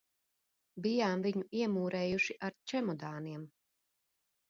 Bijām viņu iemūrējuši ar čemodāniem.